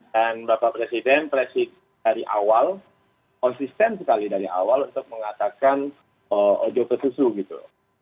dan bapak presiden dari awal konsisten sekali dari awal untuk mengatakan ojo ke susu gitu